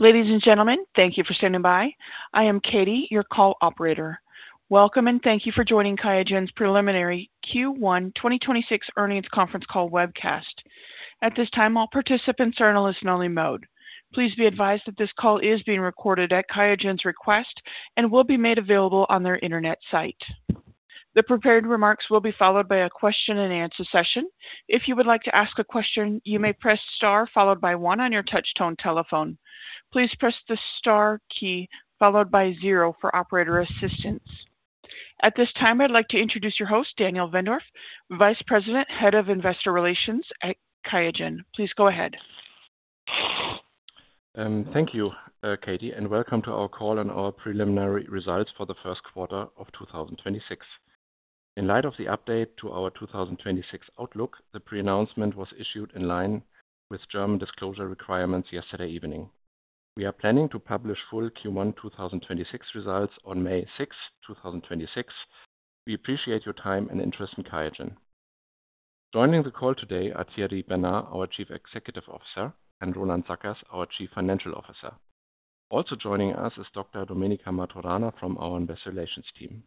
Ladies and gentlemen, thank you for standing by. I am Katie, your call operator. Welcome, and thank you for joining QIAGEN's Preliminary Q1 2026 Earnings Conference Call Webcast. At this time, all participants are in listen-only mode. Please be advised that this call is being recorded at QIAGEN's request and will be made available on their internet site. The prepared remarks will be followed by a question-and-answer session. If you would like to ask a question you may press star followed by one on your touch-tone telephone. Please press the star key followed by zero for operator assistance. At this time, I'd like to introduce your host, Daniel Wendorff, Vice President, Head of Investor Relations at QIAGEN. Please go ahead. Thank you, Katie, and welcome to our call on our preliminary results for the first quarter of 2026. In light of the update to our 2026 outlook, the pre-announcement was issued in line with German disclosure requirements yesterday evening. We are planning to publish full Q1 2026 results on May 6th, 2026. We appreciate your time and interest in QIAGEN. Joining the call today are Thierry Bernard, our Chief Executive Officer, and Roland Sackers, our Chief Financial Officer. Also joining us is Dr. Domenica Martorana from our Investor Relations Team.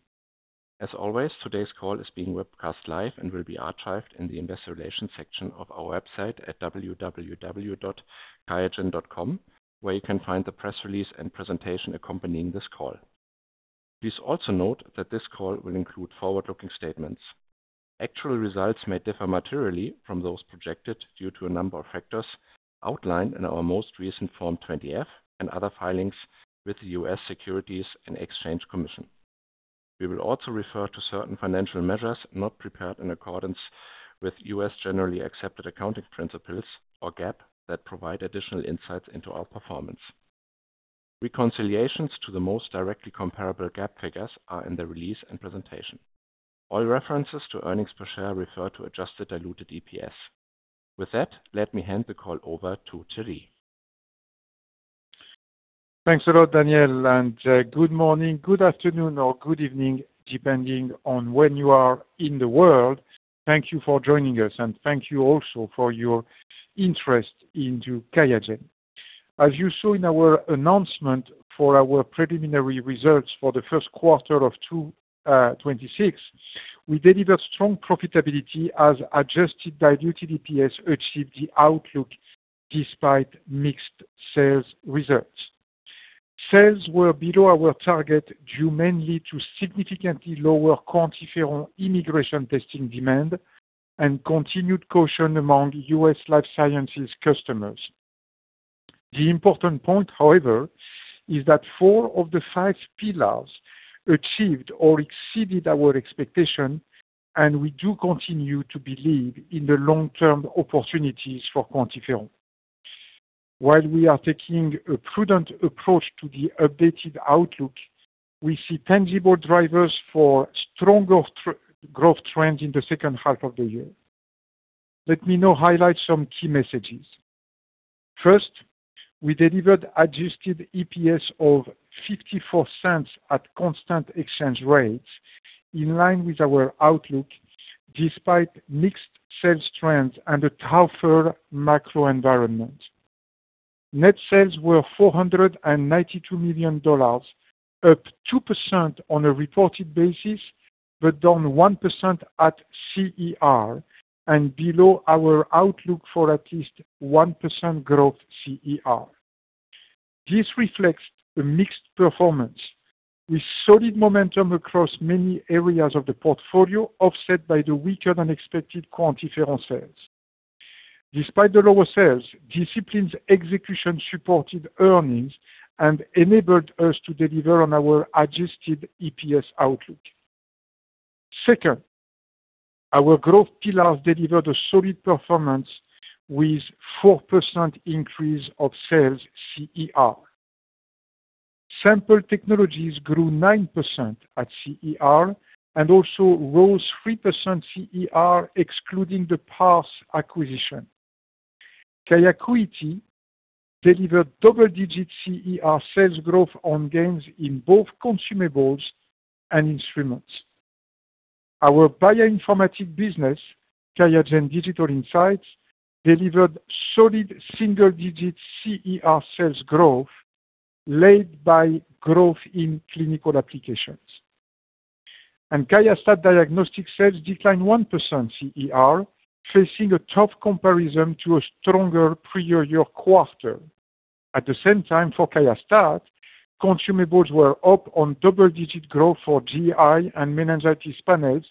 As always, today's call is being webcast live and will be archived in the investor relations section of our website at www.qiagen.com, where you can find the press release and presentation accompanying this call. Please also note that this call will include forward-looking statements. Actual results may differ materially from those projected due to a number of factors outlined in our most recent Form 20-F and other filings with the U.S. Securities and Exchange Commission. We will also refer to certain financial measures not prepared in accordance with U.S. generally accepted accounting principles, or GAAP, that provide additional insights into our performance. Reconciliations to the most directly comparable GAAP figures are in the release and presentation. All references to earnings per share refer to adjusted diluted EPS. With that, let me hand the call over to Thierry. Thanks a lot, Daniel, and good morning, good afternoon, or good evening, depending on when you are in the world. Thank you for joining us and thank you also for your interest into QIAGEN. As you saw in our announcement for our preliminary results for the first quarter of 2026, we delivered strong profitability as adjusted diluted EPS achieved the outlook despite mixed sales results. Sales were below our target due mainly to significantly lower QuantiFERON immigration testing demand and continued caution among U.S. life sciences customers. The important point, however, is that four of the five pillars achieved or exceeded our expectation, and we do continue to believe in the long-term opportunities for QuantiFERON. While we are taking a prudent approach to the updated outlook, we see tangible drivers for stronger growth trend in the second half of the year. Let me now highlight some key messages. First, we delivered adjusted EPS of $0.54 at constant exchange rates in line with our outlook despite mixed sales trends and a tougher macro environment. Net sales were $492 million, up 2% on a reported basis, but down 1% at CER and below our outlook for at least 1% growth CER. This reflects a mixed performance with solid momentum across many areas of the portfolio, offset by the weaker-than-expected QuantiFERON sales. Despite the lower sales, disciplined execution supported earnings and enabled us to deliver on our adjusted EPS outlook. Second, our growth pillars delivered a solid performance with 4% increase of sales CER. Sample Technologies grew 9% at CER and also rose 3% CER excluding the Parse acquisition. QIAsupply delivered double-digit CER sales growth on gains in both consumables and instruments. Our bioinformatic business, QIAGEN Digital Insights, delivered solid single-digit CER sales growth led by growth in clinical applications. QIAstat diagnostics sales declined 1% CER, facing a tough comparison to a stronger prior year quarter. At the same time, for QIAstat, consumables were up on double-digit growth for GI and meningitis panels,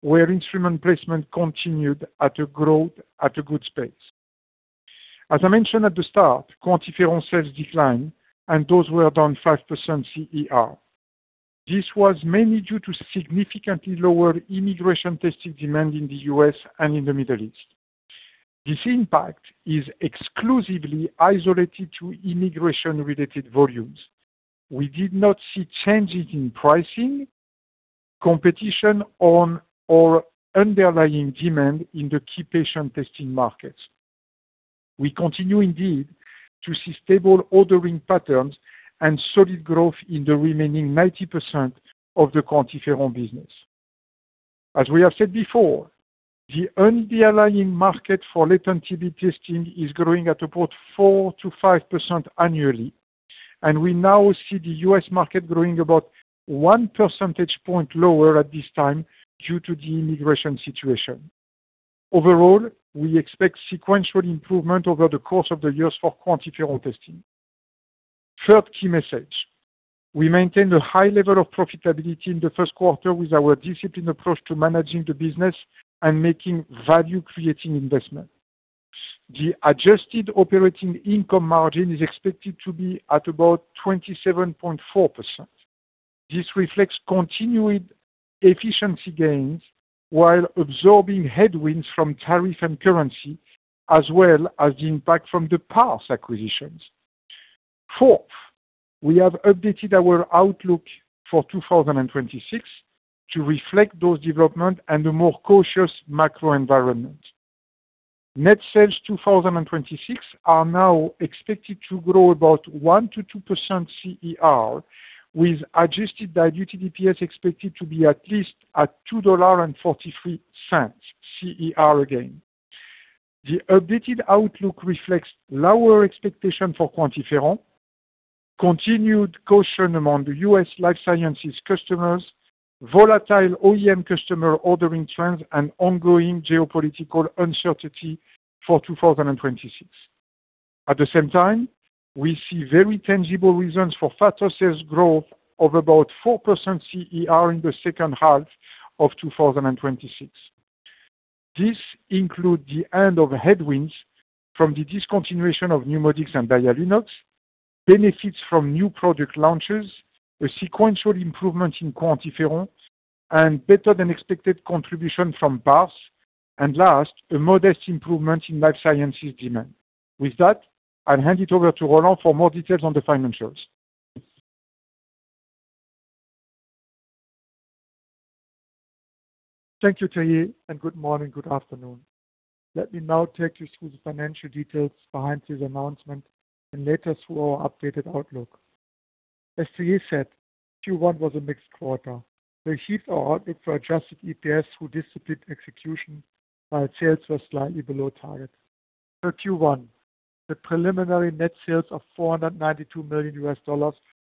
where instrument placement continued at a good pace. As I mentioned at the start, QuantiFERON sales declined, and those were down 5% CER. This was mainly due to significantly lower immigration testing demand in the U.S. and in the Middle East. This impact is exclusively isolated to immigration-related volumes. We did not see changes in pricing, competition on or underlying demand in the key patient testing markets. We continue indeed to see stable ordering patterns and solid growth in the remaining 90% of the QuantiFERON business. As we have said before, the underlying market for latent TB testing is growing at about 4%-5% annually, and we now see the U.S. market growing about 1 percentage point lower at this time due to the immigration situation. We expect sequential improvement over the course of the years for QuantiFERON testing. Third key message. We maintained a high level of profitability in the first quarter with our disciplined approach to managing the business and making value-creating investment. The adjusted operating income margin is expected to be at about 27.4%. This reflects continued efficiency gains while absorbing headwinds from tariff and currency, as well as the impact from the Parse acquisitions. Fourth, we have updated our outlook for 2026 to reflect those development and a more cautious macro environment. Net sales 2026 are now expected to grow about 1%-2% CER, with adjusted diluted EPS expected to be at least at $2.43 CER again. The updated outlook reflects lower expectation for QuantiFERON, continued caution among the U.S. life sciences customers, volatile OEM customer ordering trends, and ongoing geopolitical uncertainty for 2026. At the same time, we see very tangible reasons for faster sales growth of about 4% CER in the second half of 2026. This include the end of headwinds from the discontinuation of NeuMoDx and DiaLux, benefits from new product launches, a sequential improvement in QuantiFERON, and better than expected contribution from Parse, and last, a modest improvement in life sciences demand. With that, I'll hand it over to Roland for more details on the financials. Thank you, Thierry, and good morning, good afternoon. Let me now take you through the financial details behind this announcement and later through our updated outlook. As Thierry said, Q1 was a mixed quarter. We hit our outlook for adjusted EPS through disciplined execution, while sales were slightly below target. For Q1, the preliminary net sales of $492 million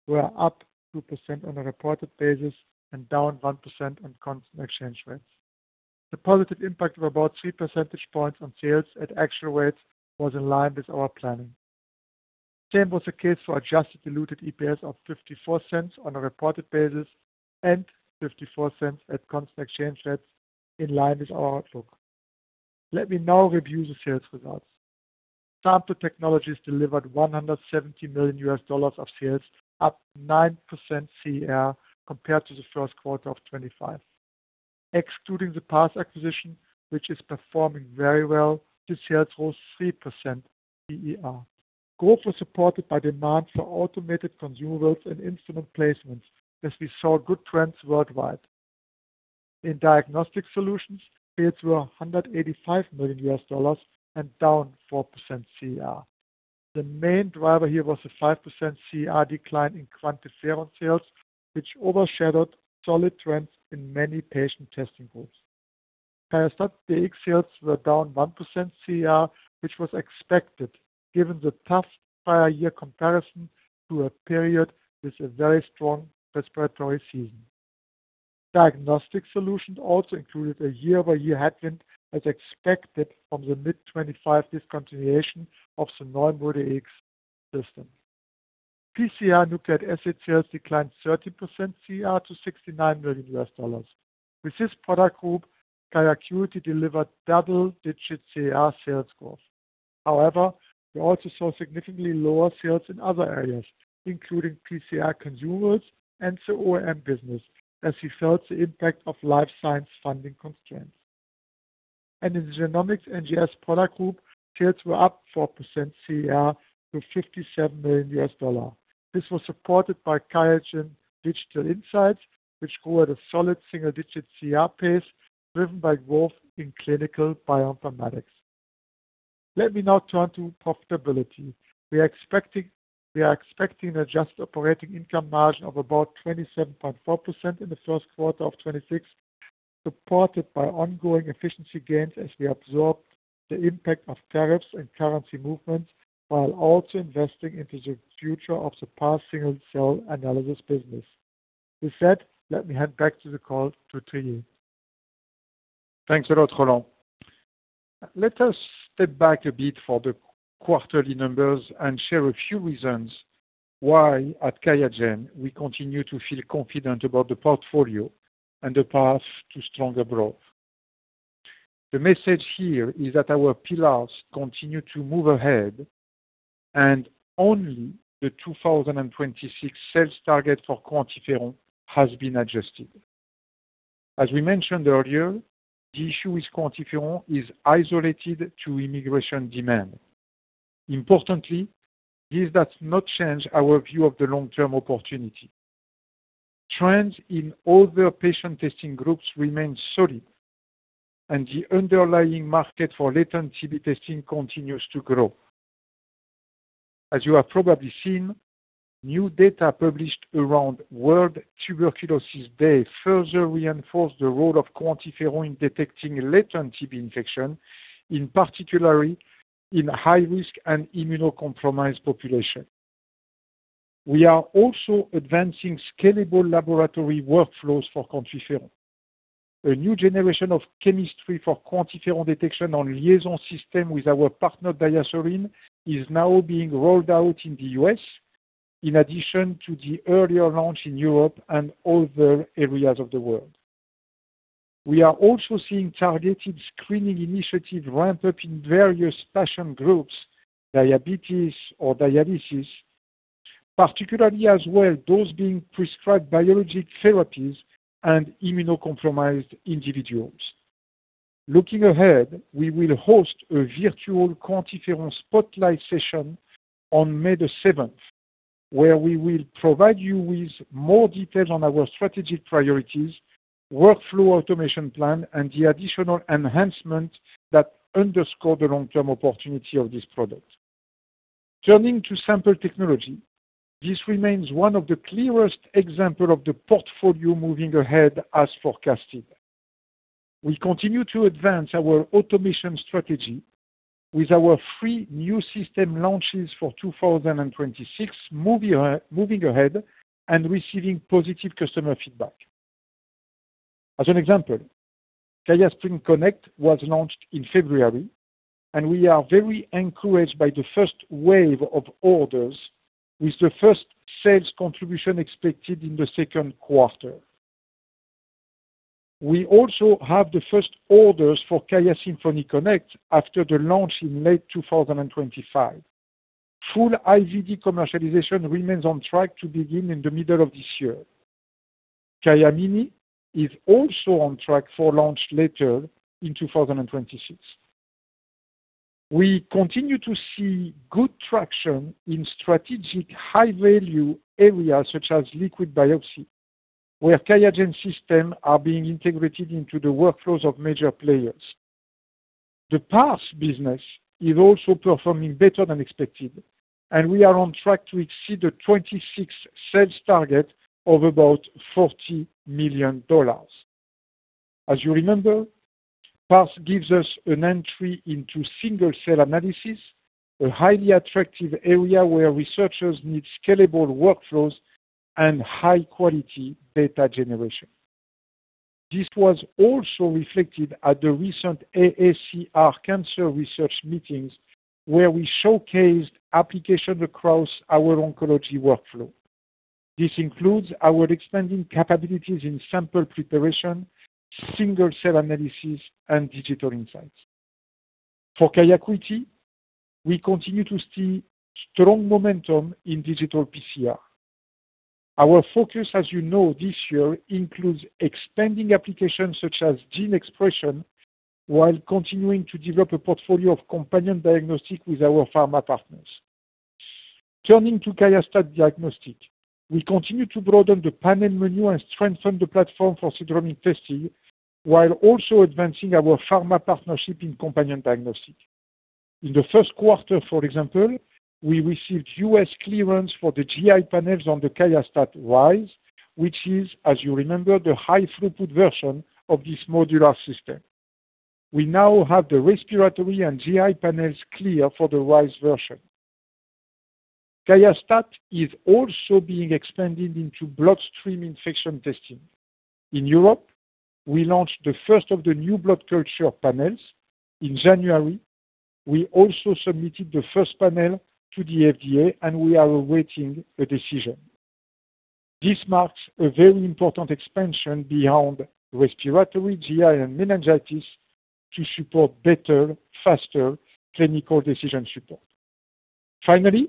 were up 2% on a reported basis and down 1% on constant exchange rates. The positive impact of about 3 percentage points on sales at actual rates was in line with our planning. Same was the case for adjusted diluted EPS of $0.54 on a reported basis and $0.54 at constant exchange rates in line with our outlook. Let me now review the sales results. Sample Technologies delivered $170 million of sales, up 9% CER compared to the first quarter of 2025. Excluding the Parse acquisition, which is performing very well, the sales rose 3% CER. Growth was supported by demand for automated consumables and instrument placements as we saw good trends worldwide. In diagnostic solutions, sales were $185 million and down 4% CER. The main driver here was a 5% CER decline in QuantiFERON sales, which overshadowed solid trends in many patient testing groups. QIAstat-Dx sales were down 1% CER, which was expected given the tough prior year comparison to a period with a very strong respiratory season. Diagnostic solution also included a year-over-year headwind as expected from the mid-2025 discontinuation of the NeuMoDx system. PCR nucleic acid sales declined 13% CER to $69 million. With this product group, QIAcuity delivered double-digit CER sales growth. We also saw significantly lower sales in other areas, including PCR consumables and the OEM business as we felt the impact of life science funding constraints. In the Genomics NGS product group, sales were up 4% CER to $57 million. This was supported by QIAGEN Digital Insights, which grew at a solid single-digit CER pace driven by growth in clinical bioinformatics. Let me now turn to profitability. We are expecting adjusted operating income margin of about 27.4% in the first quarter of 2026, supported by ongoing efficiency gains as we absorb the impact of tariffs and currency movements, while also investing into the future of the Parse single-cell analysis business. With said, let me hand back to the call to Thierry. Thanks a lot, Roland. Let us step back a bit for the quarterly numbers and share a few reasons why at QIAGEN we continue to feel confident about the portfolio and the Parse to stronger growth. The message here is that our pillars continue to move ahead and only the 2026 sales target for QuantiFERON has been adjusted. As we mentioned earlier, the issue with QuantiFERON is isolated to immigration demand. Importantly, this does not change our view of the long-term opportunity. Trends in other patient testing groups remain solid, and the underlying market for latent TB testing continues to grow. As you have probably seen, new data published around World Tuberculosis Day further reinforce the role of QuantiFERON in detecting latent TB infection, in particular in high-risk and immunocompromised population. We are also advancing scalable laboratory workflows for QuantiFERON. A new generation of chemistry for QuantiFERON detection on LIAISON system with our partner, DiaSorin, is now being rolled out in the U.S. in addition to the earlier launch in Europe and other areas of the world. We are also seeing targeted screening initiative ramp up in various patient groups, diabetes or dialysis, particularly as well those being prescribed biologic therapies and immunocompromised individuals. Looking ahead, we will host a virtual QuantiFERON spotlight session on May 7th, where we will provide you with more details on our strategic priorities, workflow automation plan, and the additional enhancements that underscore the long-term opportunity of this product. Turning to Sample Technologies, this remains one of the clearest example of the portfolio moving ahead as forecasted. We continue to advance our automation strategy with our three new system launches for 2026 moving ahead and receiving positive customer feedback. As an example, QIAsprint Connect was launched in February, and we are very encouraged by the first wave of orders, with the first sales contribution expected in the second quarter. We also have the first orders for QIAsymphony Connect after the launch in late 2025. Full IVD commercialization remains on track to begin in the middle of this year. QIAmini is also on track for launch later in 2026. We continue to see good traction in strategic high-value areas such as liquid biopsy, where QIAGEN system are being integrated into the workflows of major players. The Parse business is also performing better than expected, and we are on track to exceed the 2026 sales target of about $40 million. As you remember, Parse gives us an entry into single-cell analysis, a highly attractive area where researchers need scalable workflows and high-quality data generation. This was also reflected at the recent AACR Cancer Research Meetings, where we showcased application across our oncology workflow. This includes our expanding capabilities in sample preparation, single-cell analysis, and QIAGEN Digital Insights. For QIAcuity, we continue to see strong momentum in digital PCR. Our focus, as you know, this year includes expanding applications such as gene expression while continuing to develop a portfolio of companion diagnostic with our pharma partners. Turning to QIAstat diagnostics, we continue to broaden the panel menu and strengthen the platform for syndromic testing while also advancing our pharma partnership in companion diagnostic. In the first quarter, for example, we received U.S. clearance for the GI panels on the QIAstat Rise, which is, as you remember, the high-throughput version of this modular system. We now have the respiratory and GI panels clear for the Rise version. QIAstat is also being expanded into bloodstream infection testing. In Europe, we launched the first of the new blood culture panels. In January, we also submitted the first panel to the FDA, and we are awaiting a decision. This marks a very important expansion beyond respiratory, GI, and meningitis to support better, faster clinical decision support. Finally,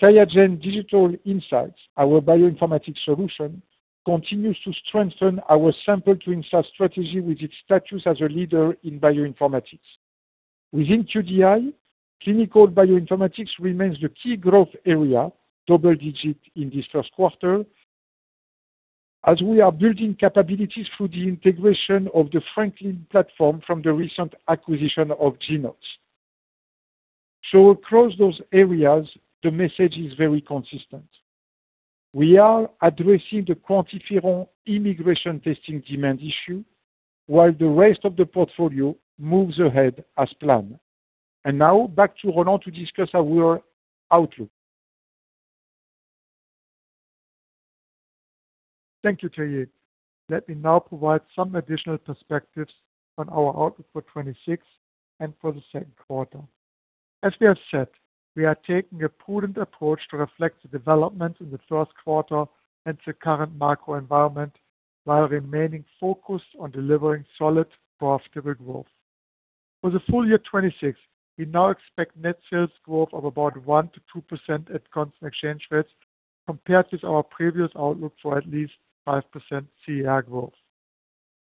QIAGEN Digital Insights, our bioinformatics solution, continues to strengthen our sample to insight strategy with its status as a leader in bioinformatics. Within QDI, clinical bioinformatics remains the key growth area, double-digit in this first quarter, as we are building capabilities through the integration of the Franklin platform from the recent acquisition of Genoox. Across those areas, the message is very consistent. We are addressing the QuantiFERON immigration testing demand issue while the rest of the portfolio moves ahead as planned. Now back to Roland to discuss our outlook. Thank you, Thierry Bernard. Let me now provide some additional perspectives on our outlook for 2026 and for the second quarter. As we have said, we are taking a prudent approach to reflect the development in the first quarter and the current macro environment while remaining focused on delivering solid profitable growth. For the full year 2026, we now expect net sales growth of about 1%-2% at constant exchange rates compared with our previous outlook for at least 5% CER growth.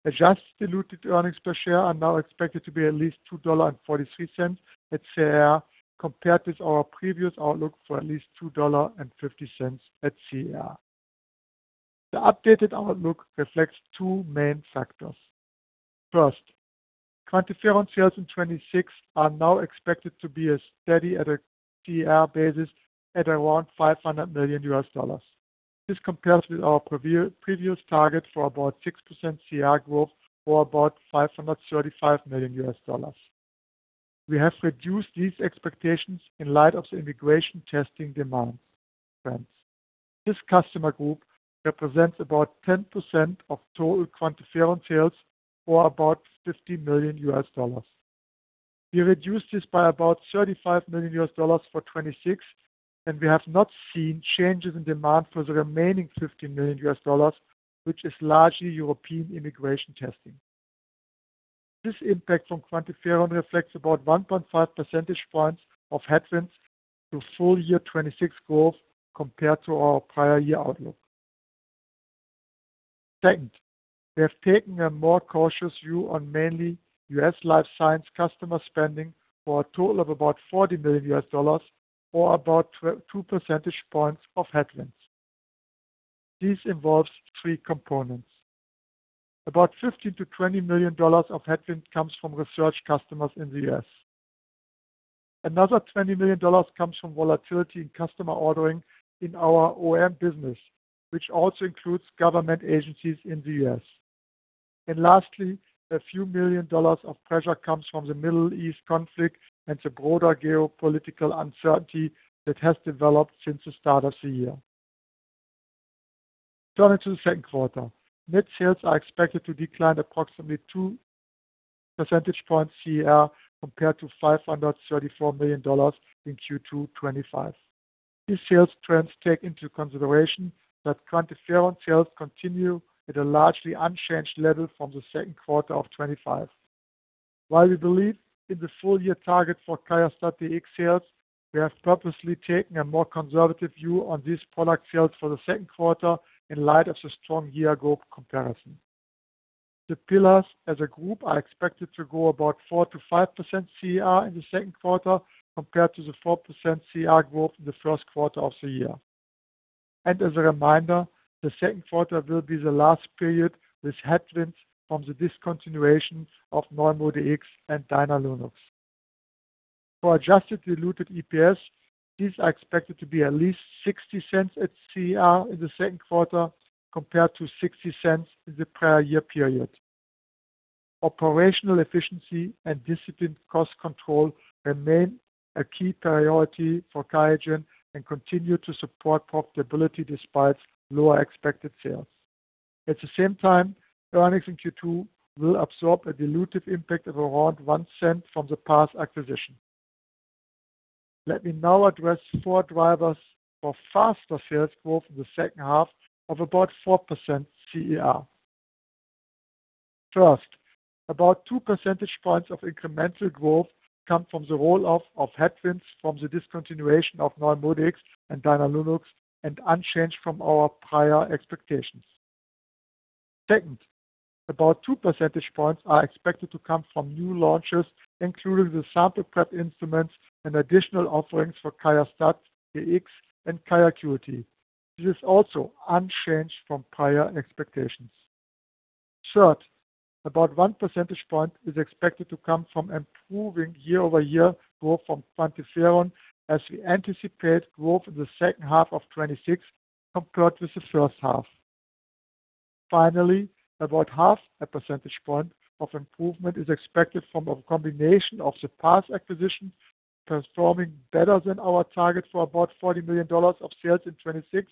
Adjusted diluted earnings per share are now expected to be at least $2.43 at CER compared with our previous outlook for at least $2.50 at CER. The updated outlook reflects two main factors. First, QuantiFERON sales in 2026 are now expected to be a steady at a CER basis at around $500 million. This compares with our previous target for about 6% CER growth, or about $535 million. We have reduced these expectations in light of the immigration testing demands trends. This customer group represents about 10% of total QuantiFERON sales, or about $50 million. We reduced this by about $35 million for 2026. We have not seen changes in demand for the remaining $50 million, which is largely European immigration testing. This impact from QuantiFERON reflects about 1.5 percentage points of headwinds to full year 2026 growth compared to our prior year outlook. Second, we have taken a more cautious view on mainly U.S. life science customer spending for a total of about $40 million or about 2 percentage points of headwinds. This involves three components. About $15 million-$20 million of headwind comes from research customers in the U.S. Another $20 million comes from volatility in customer ordering in our OEM business, which also includes government agencies in the U.S. Lastly, a few million dollars of pressure comes from the Middle East conflict and the broader geopolitical uncertainty that has developed since the start of the year. Turning to the second quarter, net sales are expected to decline approximately 2 percentage points CER compared to $534 million in Q2 2025. These sales trends take into consideration that QuantiFERON sales continue at a largely unchanged level from the second quarter of 2025. While we believe in the full year target for QIAstat-Dx sales, we have purposely taken a more conservative view on these product sales for the second quarter in light of the strong year growth comparison. The pillars as a group are expected to grow about 4%-5% CER in the second quarter compared to the 4% CER growth in the first quarter of the year. As a reminder, the second quarter will be the last period with headwinds from the discontinuation of NeuMoDx and DynaLux. For adjusted diluted EPS, these are expected to be at least $0.60 at CER in the second quarter compared to $0.60 in the prior year period. Operational efficiency and disciplined cost control remain a key priority for QIAGEN and continue to support profitability despite lower expected sales. At the same time, earnings in Q2 will absorb a dilutive impact of around $0.01 from the Parse acquisition. Let me now address four drivers for faster sales growth in the second half of about 4% CER. First, about 2 percentage points of incremental growth come from the roll-off of headwinds from the discontinuation of NeuMoDx and DynaLux and unchanged from our prior expectations. Second, about two percentage points are expected to come from new launches, including the sample prep instruments and additional offerings for QIAstat-Dx and QIAcuity. This is also unchanged from prior expectations. Third, about one percentage point is expected to come from improving year-over-year growth from QuantiFERON as we anticipate growth in the second half of 2026 compared with the first half. Finally, about half a percentage point of improvement is expected from a combination of the Parse acquisition, performing better than our target for about $40 million of sales in 2026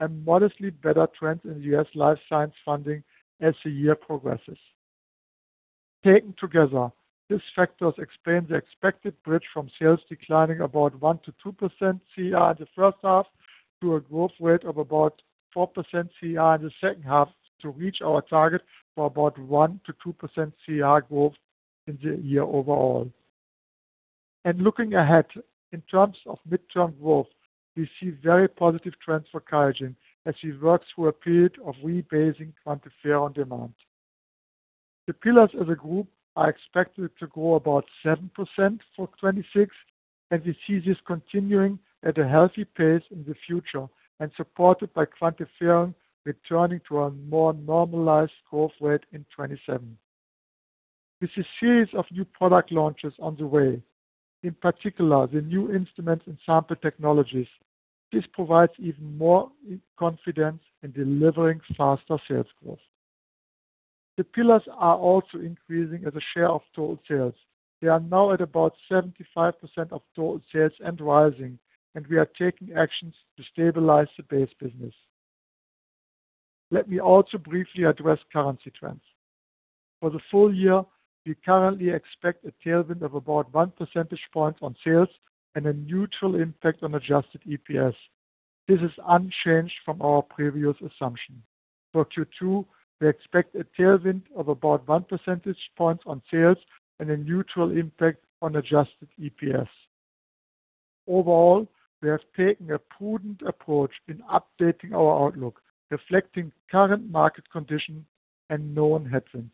and modestly better trends in U.S. life science funding as the year progresses. Taken together, these factors explain the expected bridge from sales declining about 1%-2% CER in the first half to a growth rate of about 4% CER in the second half to reach our target for about 1%-2% CER growth in the year overall. Looking ahead, in terms of midterm growth, we see very positive trends for QIAGEN as we work through a period of re-basing QuantiFERON demand. The pillars as a group are expected to grow about 7% for 2026. We see this continuing at a healthy pace in the future and supported by QuantiFERON returning to a more normalized growth rate in 2027. With a series of new product launches on the way, in particular the new instruments and Sample Technologies, this provides even more confidence in delivering faster sales growth. The pillars are also increasing as a share of total sales. They are now at about 75% of total sales and rising. We are taking actions to stabilize the base business. Let me also briefly address currency trends. For the full year, we currently expect a tailwind of about 1 percentage point on sales and a neutral impact on adjusted EPS. This is unchanged from our previous assumption. For Q2, we expect a tailwind of about 1 percentage point on sales and a neutral impact on adjusted EPS. Overall, we have taken a prudent approach in updating our outlook, reflecting current market conditions and known headwinds.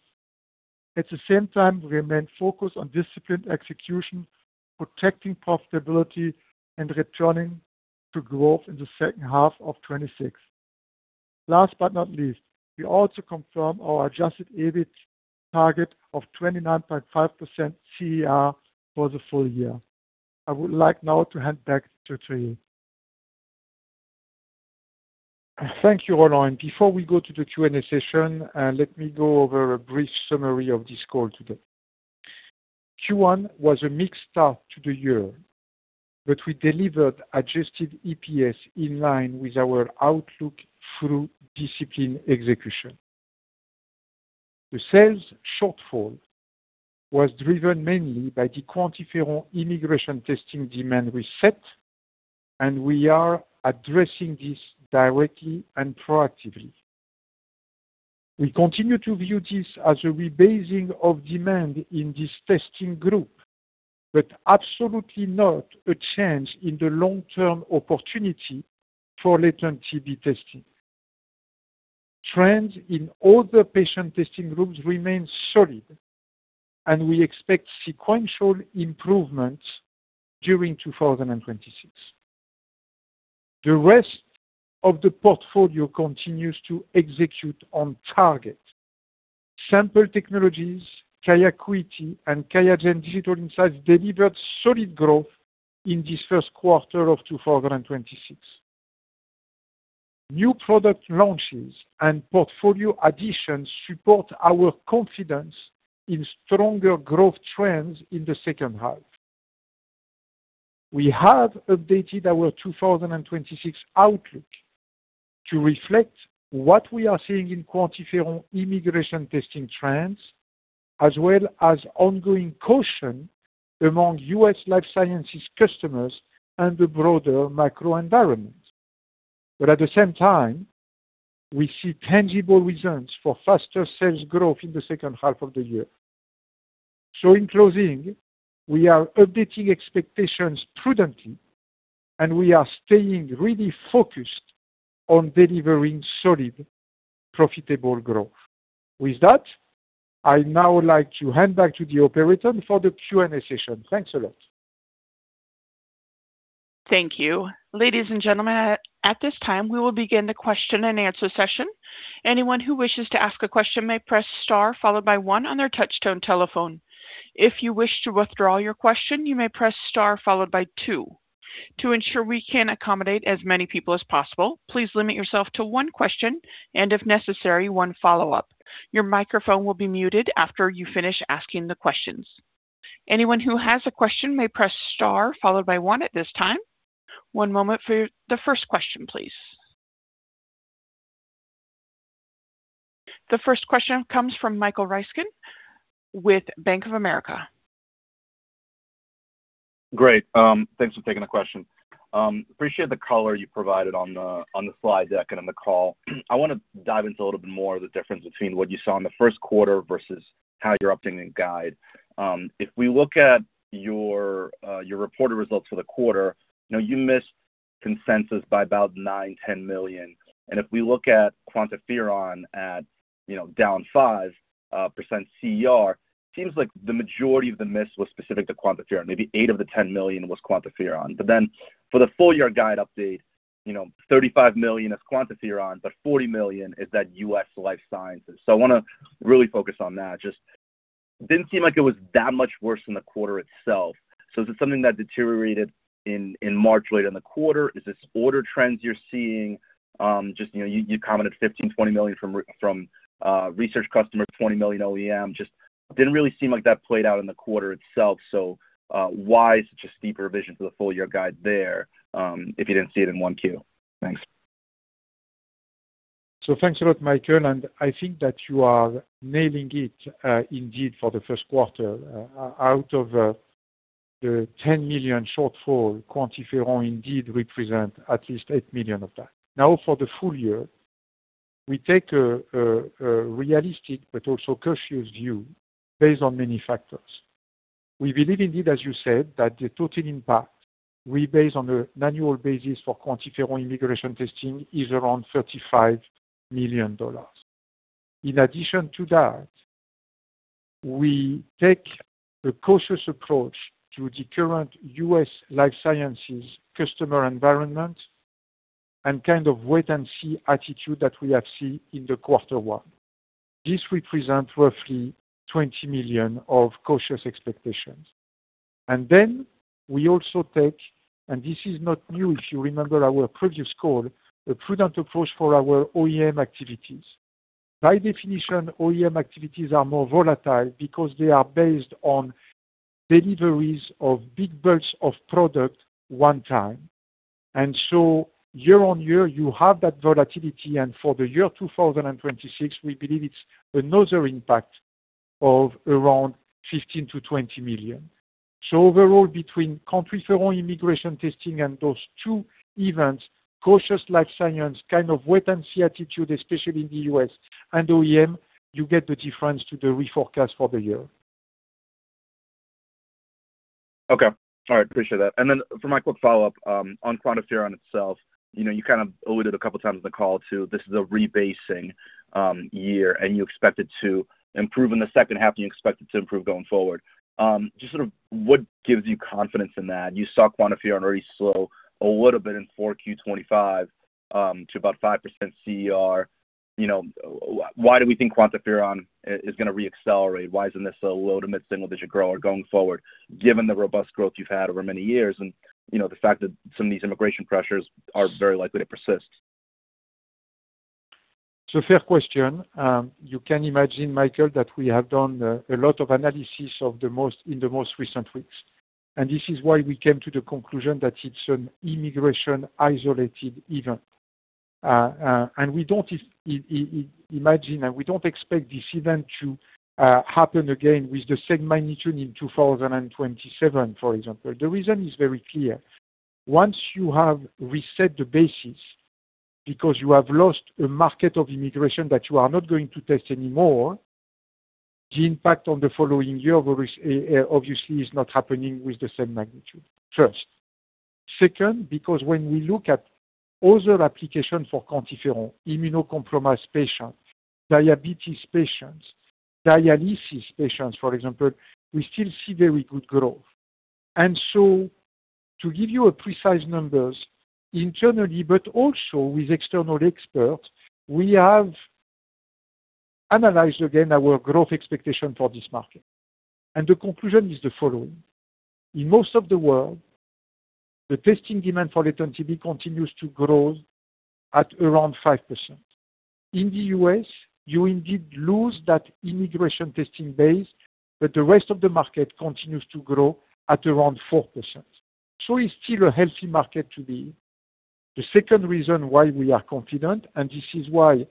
At the same time, we remain focused on disciplined execution, protecting profitability, and returning to growth in the second half of 2026. Last but not least, we also confirm our adjusted EBIT target of 29.5% CER for the full year. I would like now to hand back to Thierry. Thank you, Roland. Before we go to the Q&A session, let me go over a brief summary of this call today. Q1 was a mixed start to the year, but we delivered adjusted EPS in line with our outlook through disciplined execution. The sales shortfall was driven mainly by the QuantiFERON immigration testing demand reset, and we are addressing this directly and proactively. We continue to view this as a rebasing of demand in this testing group, but absolutely not a change in the long-term opportunity for latent TB testing. Trends in other patient testing groups remain solid, and we expect sequential improvements during 2026. The rest of the portfolio continues to execute on target. Sample Technologies, QIAcuity and QIAGEN Digital Insights delivered solid growth in this first quarter of 2026. New product launches and portfolio additions support our confidence in stronger growth trends in the second half. We have updated our 2026 outlook to reflect what we are seeing in QuantiFERON immigration testing trends, as well as ongoing caution among U.S. life sciences customers and the broader macro environment. At the same time, we see tangible reasons for faster sales growth in the second half of the year. In closing, we are updating expectations prudently, and we are staying really focused on delivering solid, profitable growth. With that, I'd now like to hand back to the operator for the Q&A session. Thanks a lot. Thank you. Ladies and gentlemen, at this time, we will begin the question-and-answer session. Anyone who wishes to ask a question may press star followed by one on their touch-tone telephone. If you wish to withdraw your question, you may press star followed by two. To ensure we can accommodate as many people as possible, please limit yourself to one question and, if necessary, one follow-up. Your microphone will be muted after you finish asking the questions. Anyone who has a question may press star followed by one at this time. One moment for the first question, please. The first question comes from Michael Ryskin with Bank of America. Thanks for taking the question. Appreciate the color you provided on the slide deck and on the call. I want to dive into a little bit more of the difference between what you saw in the first quarter versus how you're updating the guide. If we look at your reported results for the quarter, you know, you missed consensus by about $9 million-$10 million. If we look at QuantiFERON at, you know, down 5% CER, seems like the majority of the miss was specific to QuantiFERON. Maybe $8 million of the $10 million was QuantiFERON. For the full-year guide update, you know, $35 million is QuantiFERON, but $40 million is that U.S. Life Sciences. I want to really focus on that. Just didn't seem like it was that much worse than the quarter itself. Is it something that deteriorated in March, late in the quarter? Is this order trends you're seeing? You know, you commented $15 million-$20 million from research customers, $20 million OEM. Just didn't really seem like that played out in the quarter itself. Why such a steep revision for the full-year guide there, if you didn't see it in 1Q? Thanks. Thanks a lot, Michael, and I think that you are nailing it, indeed for the first quarter. Out of the $10 million shortfall, QuantiFERON indeed represent at least $8 million of that. For the full year, we take a realistic but also cautious view based on many factors. We believe indeed, as you said, that the total impact we base on an annual basis for QuantiFERON immigration testing is around $35 million. In addition to that, we take a cautious approach to the current U.S. life sciences customer environment and kind of wait-and-see attitude that we have seen in the quarter one. This represent roughly $20 million of cautious expectations. We also take, and this is not new if you remember our previous call, a prudent approach for our OEM activities. By definition, OEM activities are more volatile because they are based on deliveries of big bulks of product one time. Year-over-year, you have that volatility, and for the year 2026, we believe it's another impact of around $15 million-$20 million. Overall, between QuantiFERON immigration testing and those two events, cautious life science kind of wait-and-see attitude, especially in the U.S. and OEM, you get the difference to the reforecast for the year. Okay. All right, appreciate that. For my quick follow-up, on QuantiFERON itself, you know, you kind of alluded a couple times on the call to this is a rebasing year, and you expect it to improve in the second half, and you expect it to improve going forward. Just sort of what gives you confidence in that? You saw QuantiFERON already slow a little bit in 4Q 2025, to about 5% CER. You know, why do we think QuantiFERON is gonna re-accelerate? Why isn't this a low to mid-single-digit grower going forward, given the robust growth you've had over many years and, you know, the fact that some of these immigration pressures are very likely to persist? It's a fair question. You can imagine, Michael, that we have done a lot of analysis in the most recent weeks, and this is why we came to the conclusion that it's an immigration isolated event. We don't imagine, and we don't expect this event to happen again with the same magnitude in 2027, for example. The reason is very clear. Once you have reset the basis because you have lost a market of immigration that you are not going to test anymore, the impact on the following year obviously is not happening with the same magnitude, first. Second, because when we look at other applications for QuantiFERON, immunocompromised patients, diabetes patients, dialysis patients, for example, we still see very good growth. To give you a precise numbers internally, but also with external experts, we have analyzed again our growth expectation for this market. The conclusion is the following: in most of the world, the testing demand for latent TB continues to grow at around 5%. In the U.S., you indeed lose that immigration testing base, but the rest of the market continues to grow at around 4%. It's still a healthy market to be. The second reason why we are confident, and this is why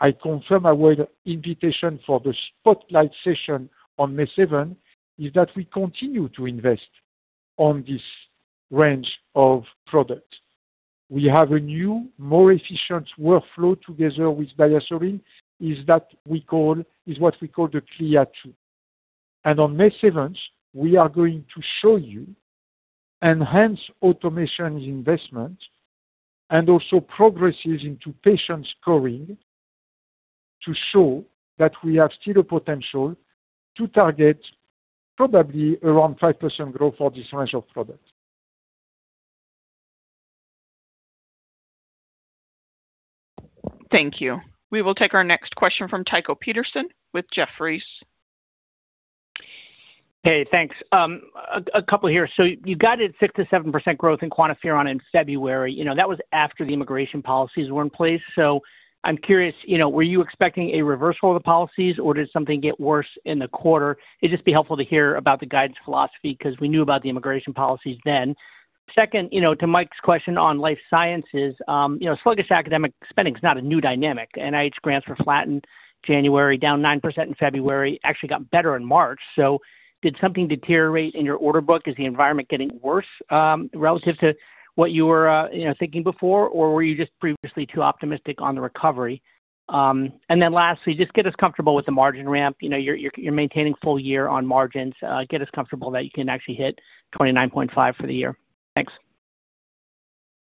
I confirm our invitation for the spotlight session on May 7th, is that we continue to invest on this range of products. We have a new, more efficient workflow together with DiaSorin, is what we call the LIAISON XL. On May 7th, we are going to show you enhanced automation investment and also progresses into patient scoring to show that we have still a potential to target probably around 5% growth for this range of products. Thank you. We will take our next question from Tycho Peterson with Jefferies. Hey, thanks. A couple here. You guided 6%-7% growth in QuantiFERON in February. You know, that was after the immigration policies were in place. I'm curious, you know, were you expecting a reversal of the policies, or did something get worse in the quarter? It'd just be helpful to hear about the guidance philosophy because we knew about the immigration policies then. Second, you know, to Mike's question on life sciences, you know, sluggish academic spending is not a new dynamic. NIH grants were flattened January, down 9% in February, actually got better in March. Did something deteriorate in your order book? Is the environment getting worse, relative to what you were, you know, thinking before, or were you just previously too optimistic on the recovery? Lastly, just get us comfortable with the margin ramp. You know, you're maintaining full year on margins. Get us comfortable that you can actually hit 29.5% for the year. Thanks.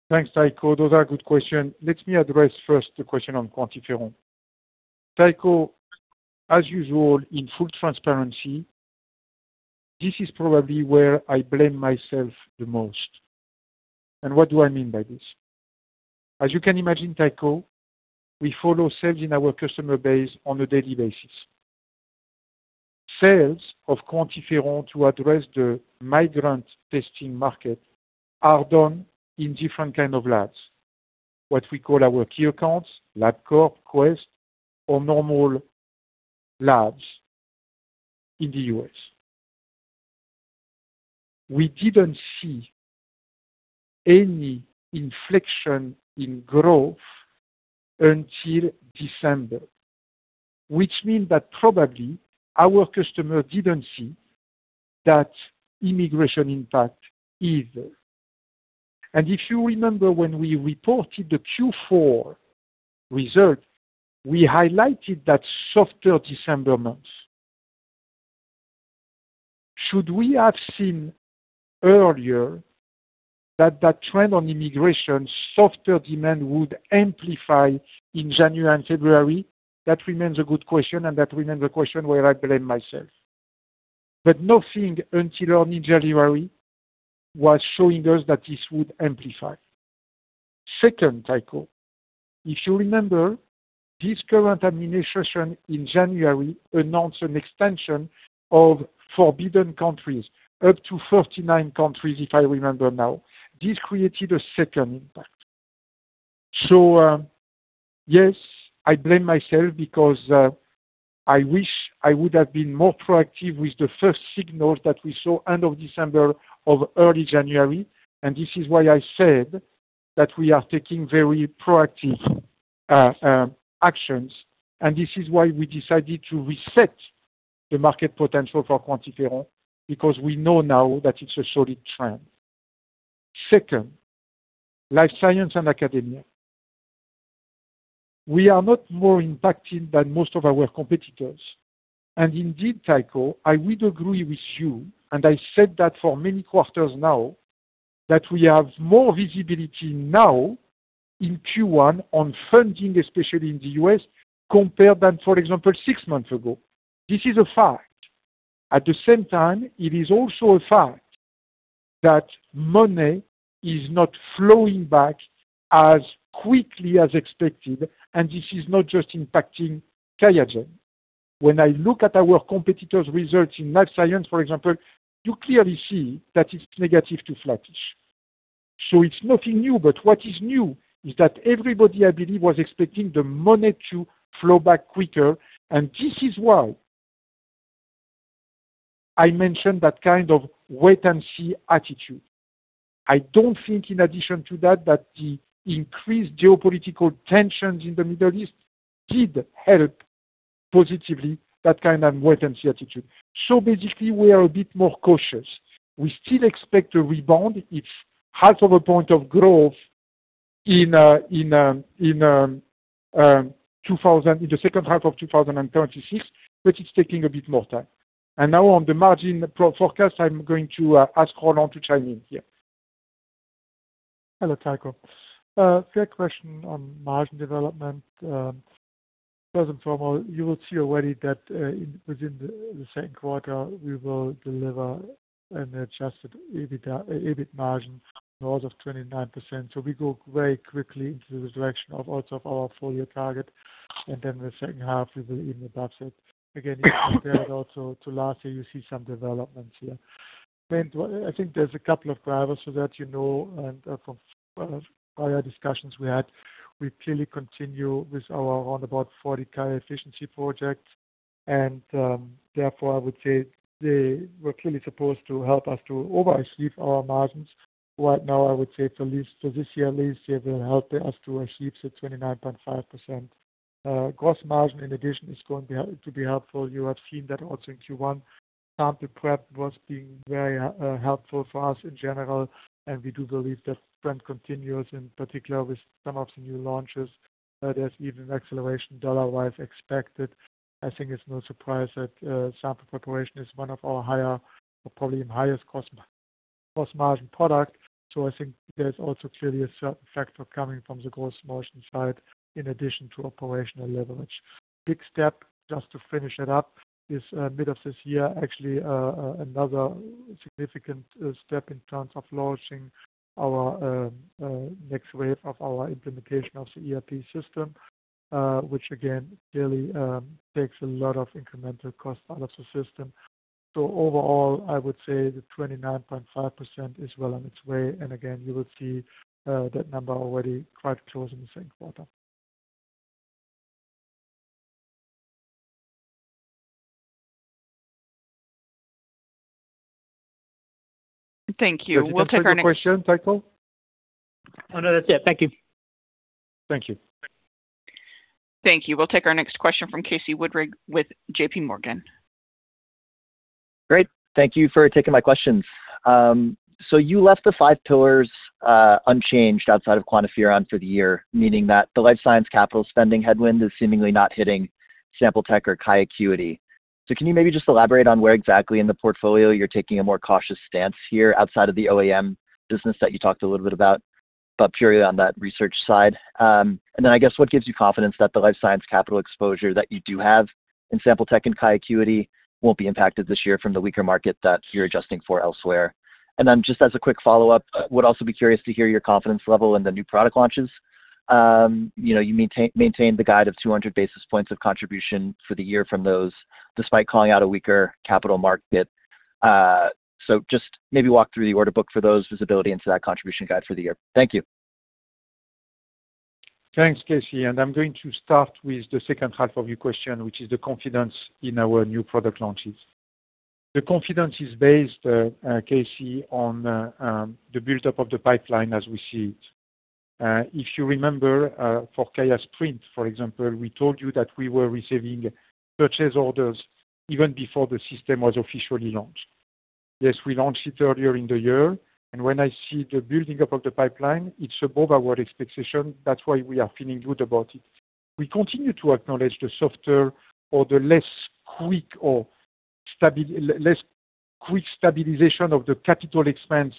Thanks, Tycho. Those are good question. Let me address first the question on QuantiFERON. Tycho, as usual, in full transparency, this is probably where I blame myself the most. What do I mean by this? As you can imagine, Tycho, we follow sales in our customer base on a daily basis. Sales of QuantiFERON to address the migrant testing market are done in different kind of labs, what we call our key accounts, LabCorp, Quest, or normal labs in the U.S. We didn't see any inflection in growth until December, which mean that probably our customer didn't see that immigration impact either. If you remember when we reported the Q4 result, we highlighted that softer December months. Should we have seen earlier that trend on immigration, softer demand would amplify in January and February? That remains a good question, and that remains a question where I blame myself. Nothing until early January was showing us that this would amplify. Second, Tycho, if you remember, this current administration in January announced an extension of forbidden countries, up to 49 countries, if I remember now. This created a second impact. Yes, I blame myself because I wish I would have been more proactive with the first signals that we saw end of December of early January. This is why I said that we are taking very proactive actions. This is why we decided to reset the market potential for QuantiFERON because we know now that it's a solid trend. Second, life science and academia. We are not more impacted than most of our competitors. Indeed, Tycho, I would agree with you, and I said that for many quarters now that we have more visibility now in Q1 on funding, especially in the U.S., compared than, for example, six months ago. This is a fact. At the same time, it is also a fact that money is not flowing back as quickly as expected, and this is not just impacting QIAGEN. When I look at our competitors' results in life science, for example, you clearly see that it's negative to flattish. It's nothing new. What is new is that everybody, I believe, was expecting the money to flow back quicker. This is why I mentioned that kind of wait-and-see attitude. I don't think in addition to that the increased geopolitical tensions in the Middle East did help positively that kind of wait-and-see attitude. Basically, we are a bit more cautious. We still expect a rebound. It's half of a point of growth in the second half of 2026, but it's taking a bit more time. Now on the margin pro-forecast, I'm going to ask Roland to chime in here. Hello, Tycho. Fair question on margin development. First and foremost, you will see already that within the second quarter, we will deliver an adjusted EBIT margin north of 29%. We go very quickly into the direction of also of our full year target. The second half, we will even above it. Again, if you compare it also to last year, you see some developments here. I think there's a couple of drivers for that, you know, from prior discussions we had, we clearly continue with our roundabout 40 QI-efficiency projects. Therefore, I would say they were clearly supposed to help us to overachieve our margins. Right now, I would say for this year at least, they will help us to achieve the 29.5%. Gross margin, in addition, is going to be helpful. You have seen that also in Q1. Sample prep was being very helpful for us in general, and we do believe that trend continues, in particular with some of the new launches. There's even acceleration dollar-wise expected. I think it's no surprise that sample preparation is one of our higher, probably even highest cost margin product. I think there's also clearly a certain factor coming from the gross margin side in addition to operational leverage. Big step, just to finish it up, is mid of this year, actually, another significant step in terms of launching our next wave of our implementation of the ERP system, which again, clearly, takes a lot of incremental cost out of the system. Overall, I would say the 29.5% is well on its way. Again, you will see that number already quite close in the second quarter. Thank you. We'll take our next. Was there a further question, Tycho? Oh, no, that's it. Thank you. Thank you. Thank you. We'll take our next question from Casey Woodring with JPMorgan. Great. Thank you for taking my questions. You left the five pillars unchanged outside of QuantiFERON for the year, meaning that the life science capital spending headwind is seemingly not hitting sample tech or QIAcuity. Can you maybe just elaborate on where exactly in the portfolio, you're taking a more cautious stance here outside of the OEM business that you talked a little bit about, but purely on that research side? I guess what gives you confidence that the life science capital exposure that you do have in sample tech and QIAcuity won't be impacted this year from the weaker market that you're adjusting for elsewhere? Just as a quick follow-up, would also be curious to hear your confidence level in the new product launches. you know, you maintain the guide of 200 basis points of contribution for the year from those, despite calling out a weaker capital market. Just maybe walk through the order book for those visibility into that contribution guide for the year? Thank you. Thanks, Casey. I'm going to start with the second half of your question, which is the confidence in our new product launches. The confidence is based, Casey, on the buildup of the pipeline as we see it. If you remember, for QIAsprint, for example, we told you that we were receiving purchase orders even before the system was officially launched. Yes, we launched it earlier in the year, and when I see the building up of the pipeline, it's above our expectation. That's why we are feeling good about it. We continue to acknowledge the softer or the less quick stabilization of the capital expense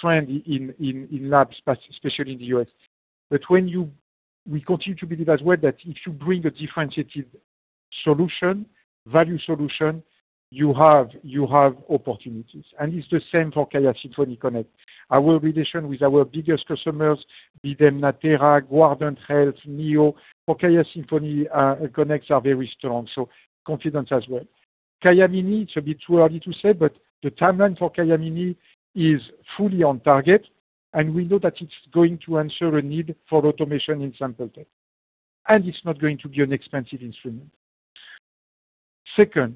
trend in labs, especially in the U.S. When we continue to believe as well that if you bring a differentiated solution, value solution, you have opportunities. It's the same for QIAsymphony Connect. Our relation with our biggest customers, be them Natera, Guardant Health, Neo, for QIAsymphony Connect are very strong, confidence as well. QIAmini, it's a bit too early to say, the timeline for QIAmini is fully on target, we know that it's going to answer a need for automation in Sample Tech, it's not going to be an expensive instrument. Second,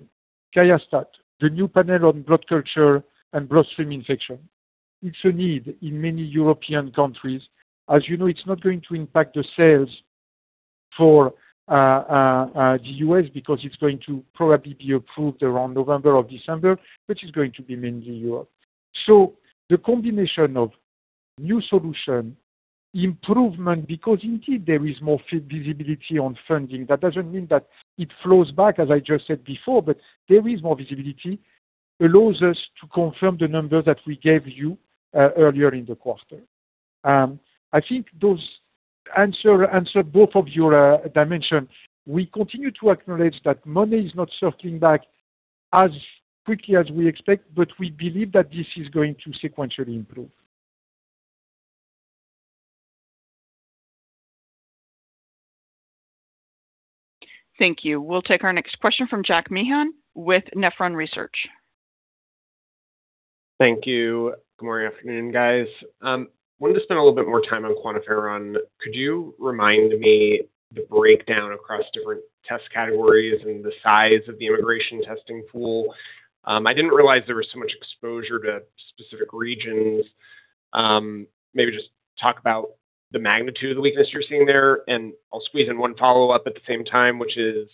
QIAstat, the new panel on blood culture and bloodstream infection. It's a need in many European countries. As you know, it's not going to impact the sales for the U.S., it's going to probably be approved around November or December, it's going to be mainly Europe. The combination of new solution improvement, because indeed there is more visibility on funding. That doesn't mean that it flows back, as I just said before, but there is more visibility allows us to confirm the number that we gave you earlier in the quarter. I think those answer both of your dimension. We continue to acknowledge that money is not circling back as quickly as we expect, but we believe that this is going to sequentially improve. Thank you. We'll take our next question from Jack Meehan with Nephron Research. Thank you. Good morning, afternoon, guys. Wanted to spend a little bit more time on QuantiFERON. Could you remind me the breakdown across different test categories and the size of the immigration testing pool? I didn't realize there was so much exposure to specific regions. Maybe just talk about the magnitude of the weakness you're seeing there, and I'll squeeze in one follow-up at the same time, which is,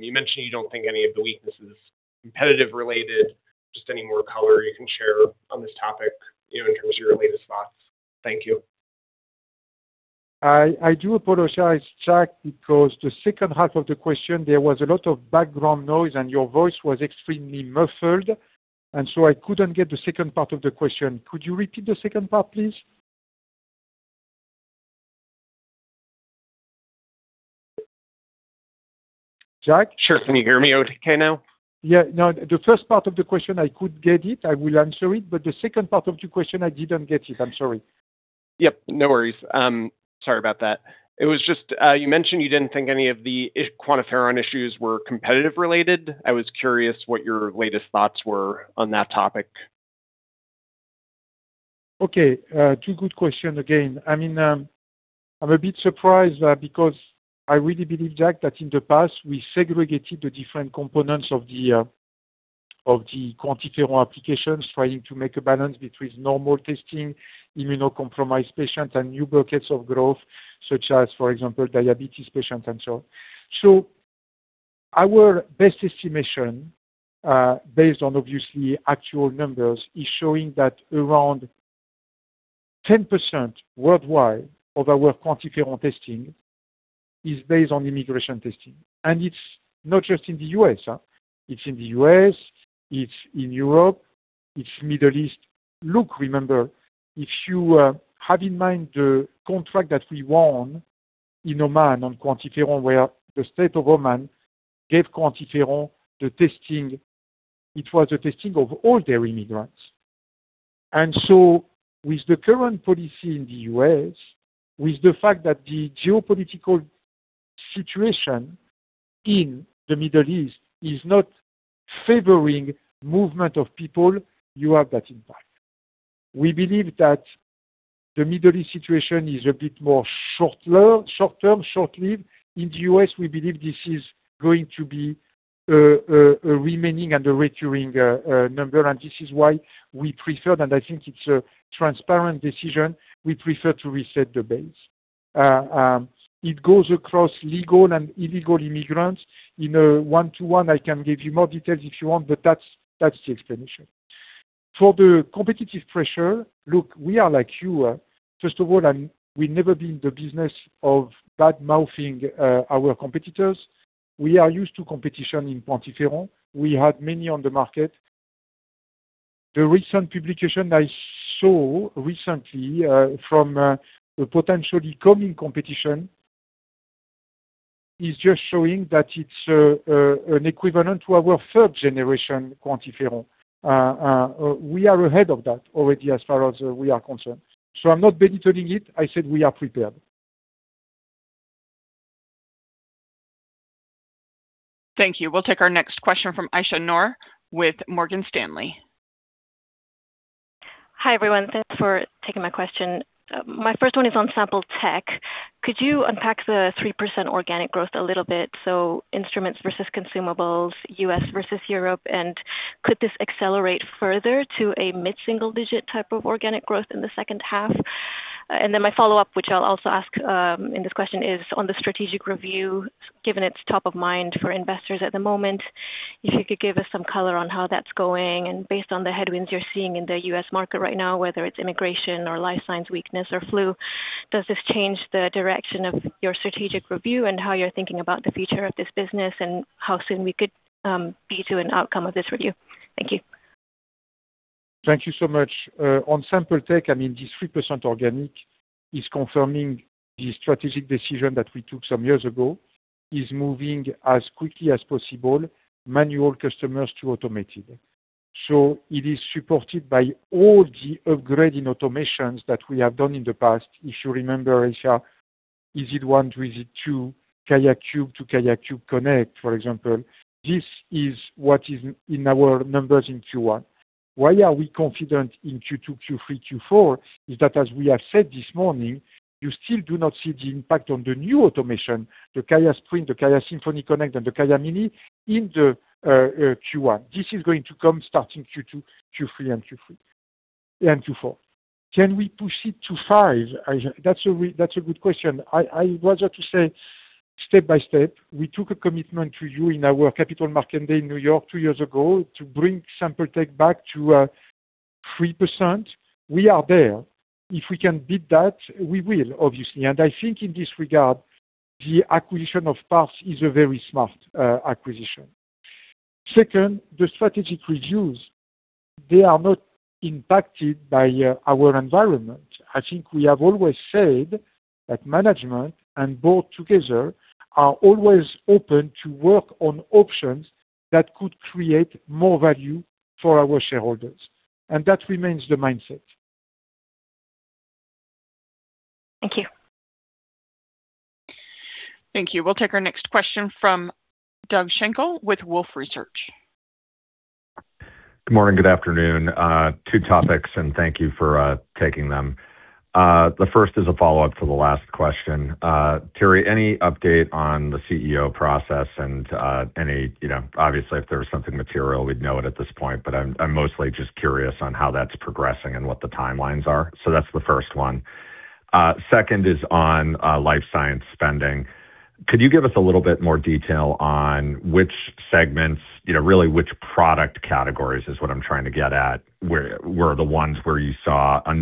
you mentioned you don't think any of the weakness is competitive related. Just any more color you can share on this topic, you know, in terms of your latest thoughts. Thank you. I do apologize, Jack, because the second half of the question, there was a lot of background noise, and your voice was extremely muffled, and so I couldn't get the second part of the question. Could you repeat the second part, please? Jack? Sure. Can you hear me okay now? Yeah. No, the first part of the question, I could get it. I will answer it. The second part of your question, I didn't get it. I'm sorry. Yep. No worries. sorry about that. It was just, you mentioned you didn't think any of the QuantiFERON issues were competitive related. I was curious what your latest thoughts were on that topic. Okay. Two good question again. I mean, I'm a bit surprised, because I really believe, Jack, that in the past we segregated the different components of the QuantiFERON applications, trying to make a balance between normal testing, immunocompromised patients, and new buckets of growth such as, for example, diabetes patients and so on. Our best estimation, based on obviously actual numbers, is showing that around 10% worldwide of our QuantiFERON testing is based on immigration testing. It's not just in the U.S. It's in the U.S., it's in Europe, it's Middle East. Look, remember, if you have in mind the contract that we won in Oman on QuantiFERON, where the state of Oman gave QuantiFERON the testing. It was a testing of all their immigrants. With the current policy in the U.S., with the fact that the geopolitical situation in the Middle East is not favoring movement of people, you have that impact. We believe that the Middle East situation is a bit more short-term, short-lived. In the U.S., we believe this is going to be a remaining and a recurring number. This is why we prefer, and I think it's a transparent decision, to reset the base. It goes across legal and illegal immigrants. In a one-to-one, I can give you more details if you want, but that's the explanation. For the competitive pressure, look, we are like you. First of all, we've never been in the business of badmouthing our competitors. We are used to competition in QuantiFERON. We had many on the market. The recent publication I saw recently, from the potentially coming competition is just showing that it's an equivalent to our third generation QuantiFERON. We are ahead of that already as far as we are concerned. I'm not belittling it. I said we are prepared. Thank you. We'll take our next question from Aisyah Noor with Morgan Stanley. Hi, everyone. Thanks for taking my question. My first one is on sample tech. Could you unpack the 3% organic growth a little bit, so instruments versus consumables, U.S. versus Europe? Could this accelerate further to a mid-single-digit type of organic growth in the second half? My follow-up, which I'll also ask in this question, is on the strategic review, given it's top of mind for investors at the moment. If you could give us some color on how that's going and based on the headwinds you're seeing in the U.S. market right now, whether it's immigration or life science weakness or flu, does this change the direction of your strategic review and how you're thinking about the future of this business and how soon we could be to an outcome of this review? Thank you. Thank you so much. On sample tech, I mean, this 3% organic is confirming the strategic decision that we took some years ago, is moving as quickly as possible manual customers to automated. It is supported by all the upgrade in automations that we have done in the past. If you remember, Aisyah, EZ1 to EZ2, QIAcube to QIAcube Connect, for example. This is what is in our numbers in Q1. Why are we confident in Q2, Q3, and Q4 is that as we have said this morning, you still do not see the impact on the new automation, the QIAsprint, the QIAsymphony Connect, and the QIAmini in the Q1. This is going to come starting Q2, Q3, and Q4. Can we push it to 2025? That's a good question. I rather to say step by step, we took a commitment to you in our Capital Market Day in New York two years ago to bring Sample tech back to 3%. We are there. If we can beat that, we will, obviously. I think in this regard, the acquisition of Parse is a very smart acquisition. Second, the strategic reviews, they are not impacted by our environment. I think we have always said that management and board together are always open to work on options that could create more value for our shareholders, and that remains the mindset. Thank you. Thank you. We'll take our next question from Doug Schenkel with Wolfe Research. Good morning, good afternoon. Two topics, thank you for taking them. The first is a follow-up to the last question. Thierry, any update on the CEO process and, any, you know, obviously, if there was something material, we'd know it at this point, but I'm mostly just curious on how that's progressing and what the timelines are. That's the first one. Second is on life science spending. Could you give us a little bit more detail on which segments, you know, really which product categories is what I'm trying to get at, where are the ones where you saw a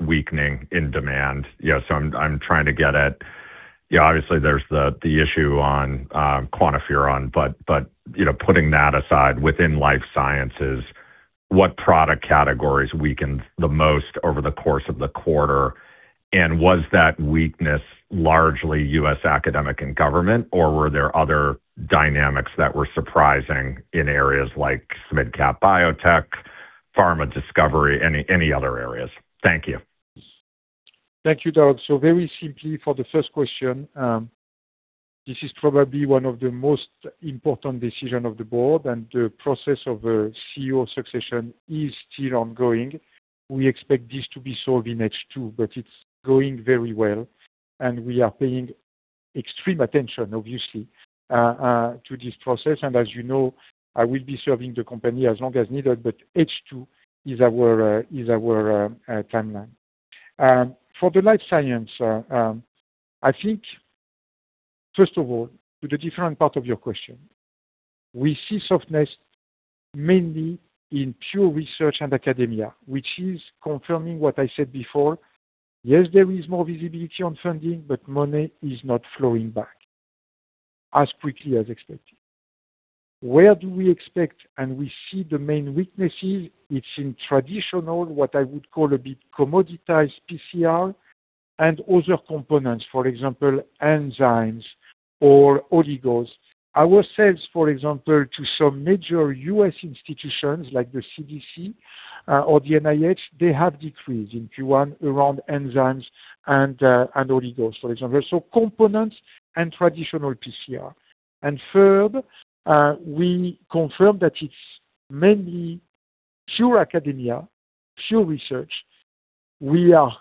notable weakening in demand? You know, I'm trying to get at. Yeah, obviously, there's the issue on QuantiFERON, you know, putting that aside, within life sciences, what product categories weakened the most over the course of the quarter? Was that weakness largely U.S. academic and government, or were there other dynamics that were surprising in areas like mid-cap biotech, pharma discovery, any other areas? Thank you. Thank you, Doug. Very simply for the first question, this is probably one of the most important decision of the board and the process of CEO succession is still ongoing. We expect this to be solved in H2, but it's going very well, and we are paying extreme attention, obviously, to this process. As you know, I will be serving the company as long as needed, but H2 is our timeline. For the life science, I think, first of all, to the different part of your question. We see softness mainly in pure research and academia, which is confirming what I said before. Yes, there is more visibility on funding, but money is not flowing back as quickly as expected. Where do we expect and we see the main weaknesses? It's in traditional, what I would call a bit commoditized PCR and other components, for example, enzymes or oligos. Our sales, for example, to some major U.S. institutions like the CDC or the NIH, they have decreased in Q1 around enzymes and oligos, for example. Components and traditional PCR. Third, we confirm that it's mainly pure academia, pure research. We are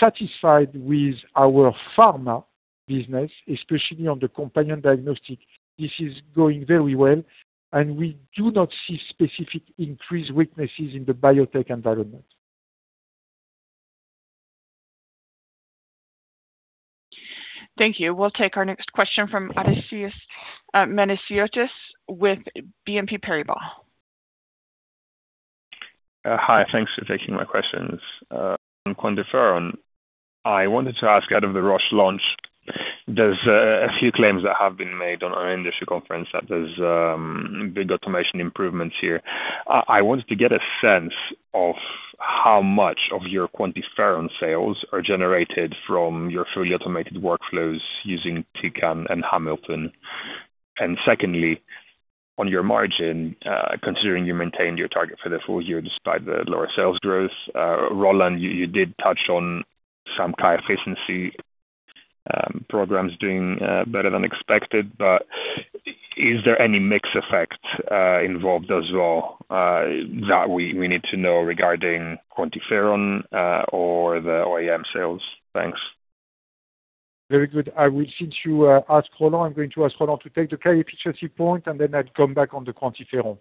satisfied with our pharma business, especially on the companion diagnostic. This is going very well, and we do not see specific increased weaknesses in the biotech environment. Thank you. We'll take our next question from Odysseas Manesiotis with BNP Paribas. Hi, thanks for taking my questions. On QuantiFERON, I wanted to ask out of the Roche launch, there's a few claims that have been made on our industry conference that there's big automation improvements here. I wanted to get a sense of how much of your QuantiFERON sales are generated from your fully automated workflows using Tecan and Hamilton. Secondly, on your margin, considering you maintained your target for the full year despite the lower sales growth, Roland, you did touch on some high efficiency programs doing better than expected. Is there any mix effect involved as well that we need to know regarding QuantiFERON or the OEM sales? Thanks. Very good. Since you asked Roland, I'm going to ask Roland to take the high efficiency point, and then I'd come back on the QuantiFERON.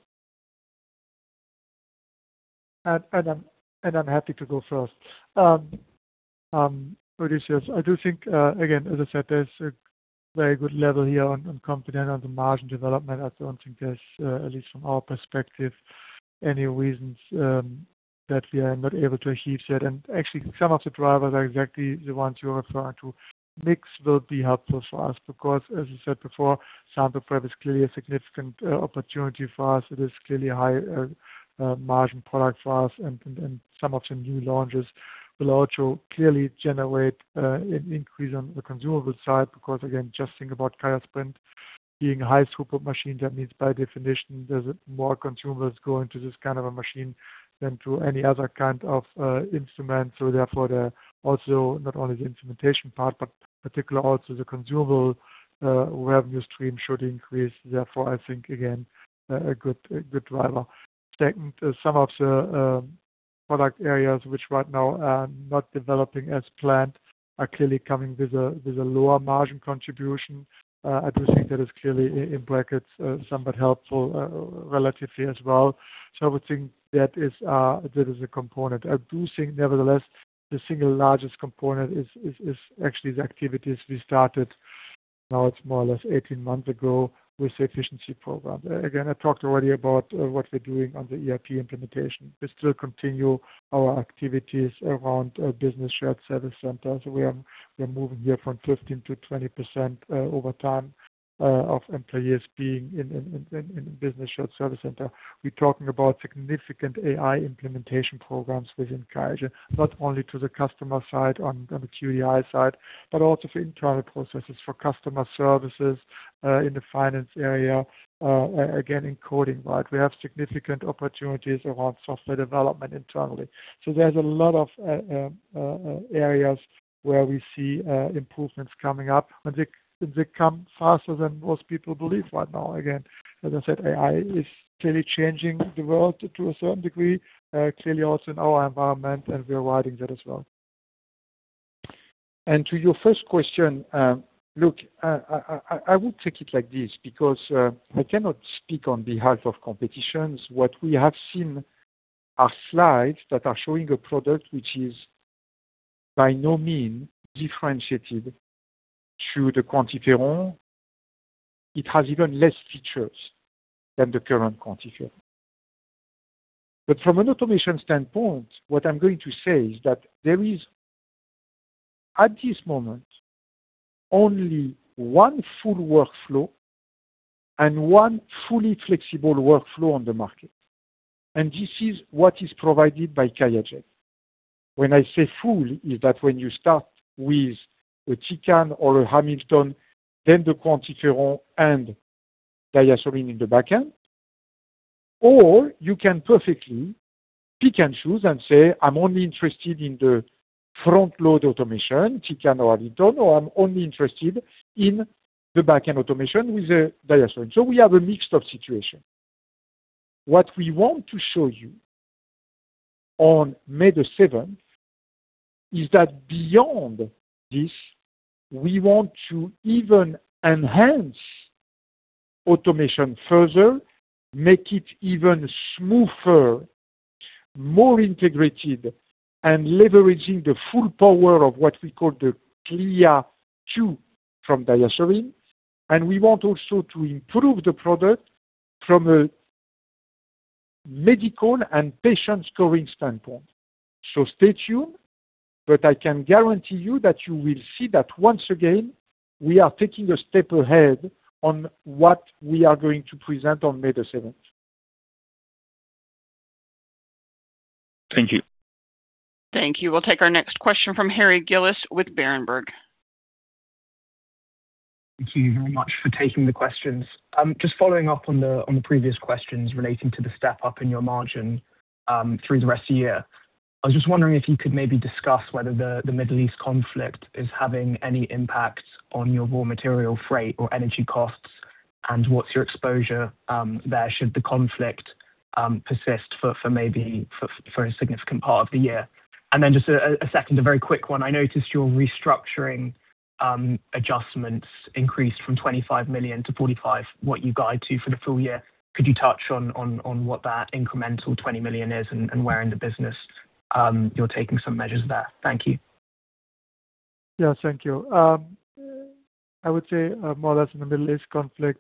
I'm happy to go first. Odysseas, I do think again, as I said, there's a very good level here. I'm confident on the margin development. I don't think there's at least from our perspective, any reasons that we are not able to achieve that. Actually, some of the drivers are exactly the ones you're referring to. Mix will be helpful for us because, as I said before, Sample Prep is clearly a significant opportunity for us. It is clearly a high margin product for us. Some of the new launches will also clearly generate an increase on the consumable side because again, just think about QIAsprint being a high throughput machine. That means by definition, there's more consumables going to this kind of a machine than to any other kind of instrument. Therefore, also not only the instrumentation part, but particularly also the consumable revenue stream should increase. Therefore, I think again, a good driver. Second, some of the product areas which right now are not developing as planned are clearly coming with a lower margin contribution. I do think that is clearly in brackets, somewhat helpful relatively as well. I would think that is that is a component. I do think nevertheless, the single largest component is actually the activities we started now it's more or less 18 months ago with the efficiency program. Again, I talked already about what we're doing on the ERP implementation. We still continue our activities around business shared service centers. We are moving here from 15%-20% over time of employees being in business shared service center. We're talking about significant AI implementation programs within QIAGEN, not only to the customer side on the QDI side, but also for internal processes, for customer services, in the finance area, again, in coding. We have significant opportunities of software development internally. There's a lot of areas where we see improvements coming up, and they come faster than most people believe right now. Again, as I said, AI is clearly changing the world to a certain degree, clearly also in our environment, and we are riding that as well. To your first question, look, I would take it like this because I cannot speak on behalf of competitors. What we have seen are slides that are showing a product which is by no means differentiated to the QuantiFERON. It has even less features than the current QuantiFERON. From an automation standpoint, what I'm going to say is that there is, at this moment, only one full workflow and one fully flexible workflow on the market. This is what is provided by QIAGEN. When I say full, is that when you start with a Tecan or a Hamilton, then the QuantiFERON and DiaSorin in the back end. You can perfectly pick and choose and say, "I'm only interested in the front load automation, Tecan or Hamilton," or "I'm only interested in the back-end automation with DiaSorin." We have a mixed-up situation. What we want to show you on May 7th is that beyond this, we want to even enhance automation further, make it even smoother, more integrated, and leveraging the full power of what we call the LIAISON XL from DiaSorin. We want also to improve the product from a medical and patient scoring standpoint. Stay tuned, but I can guarantee you that you will see that once again, we are taking a step ahead on what we are going to present on May 7th. Thank you. Thank you. We'll take our next question from Harry Gillis with Berenberg. Thank you very much for taking the questions. Just following up on the, on the previous questions relating to the step-up in your margin through the rest of the year. I was just wondering if you could maybe discuss whether the Middle East conflict is having any impact on your raw material freight or energy costs, and what's your exposure there should the conflict persist for maybe for a significant part of the year. Just a second, a very quick one. I noticed your restructuring adjustments increased from $25 million-$45 million, what you guide to for the full year. Could you touch on what that incremental $20 million is and where in the business, you're taking some measures there? Thank you. Yes, thank you. I would say more or less in the Middle East conflict,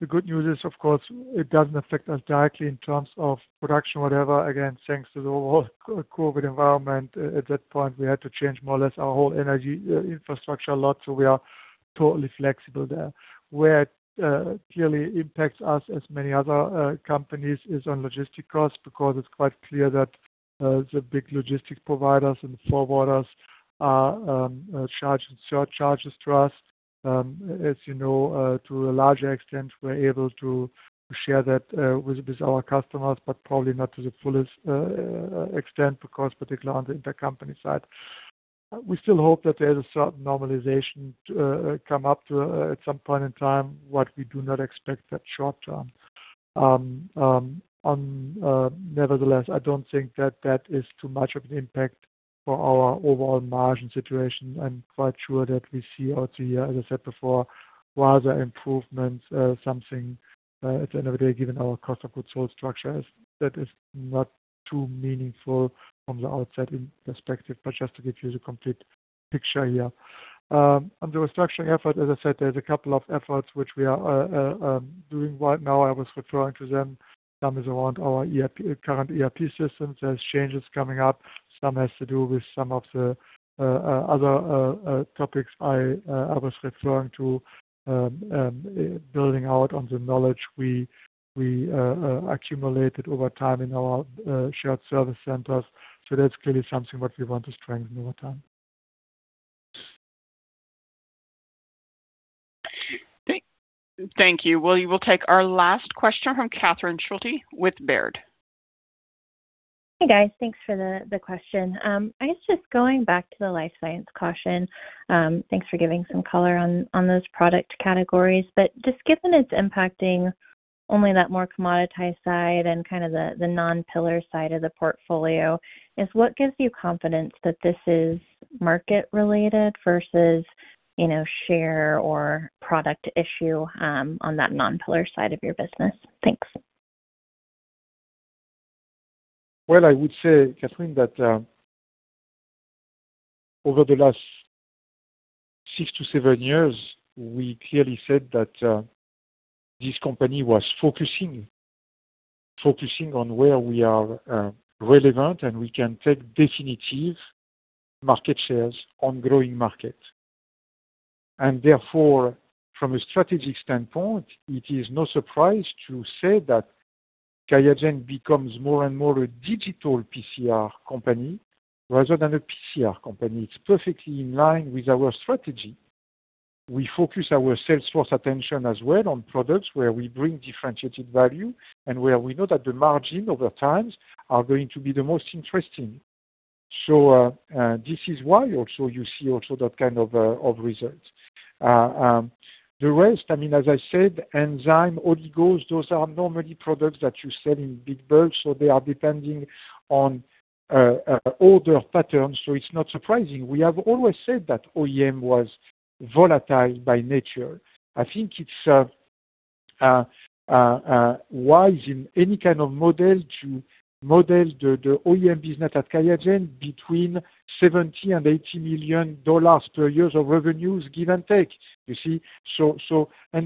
the good news is, of course, it doesn't affect us directly in terms of production, whatever. Again, thanks to the overall COVID environment. At that point, we had to change more or less our whole energy infrastructure a lot, so we are totally flexible there. Where it clearly impacts us as many other companies is on logistic costs, because it's quite clear that the big logistic providers and forwarders are charging surcharges to us. As you know, to a large extent, we're able to share that with our customers, but probably not to the fullest extent because particularly on the intercompany side. We still hope that there's a certain normalization to come up to at some point in time, what we do not expect that short term. Nevertheless, I don't think that that is too much of an impact for our overall margin situation. I'm quite sure that we see out here, as I said before, rather improvements at the end of the day, given our cost of goods sold structure as that is not too meaningful from the outset in perspective. Just to give you the complete picture here. On the restructuring effort, as I said, there's a couple of efforts which we are doing right now. I was referring to them. Some is around our current ERP systems. There's changes coming up. Some has to do with some of the other topics I was referring to, building out on the knowledge we accumulated over time in our shared service centers. That's clearly something what we want to strengthen over time. Thank you. We will take our last question from Catherine Schulte with Baird. Hey, guys. Thanks for the question. I guess just going back to the life science caution, thanks for giving some color on those product categories. But just given it's impacting only that more commoditized side and kind of the non-pillar side of the portfolio, is what gives you confidence that this is market related versus, you know, share or product issue on that non-pillar side of your business? Thanks. Well, I would say, Catherine, that over the last six to seven years, we clearly said that this company was focusing on where we are relevant and we can take definitive market shares on growing market. Therefore, from a strategic standpoint, it is no surprise to say that QIAGEN becomes more and more a digital PCR company rather than a PCR company. It's perfectly in line with our strategy. We focus our sales force attention as well on products where we bring differentiated value and where we know that the margin over times are going to be the most interesting. This is why also you see also that kind of results. The rest, I mean, as I said, enzyme, oligos, those are normally products that you sell in big bulks, so they are depending on older patterns, so it's not surprising. We have always said that OEM was volatile by nature. I think it's wise in any kind of model to model the OEM business at QIAGEN between $70 million-$80 million per year of revenues, give and take. You, see? I